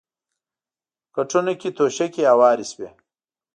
کټونو کې توشکې هوارې شوې.